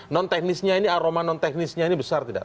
non teknisnya ini aroma non teknisnya ini besar tidak